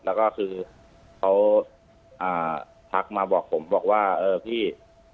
แล้วก็คือเขาทักมาบอกผมบอกว่าเออพี่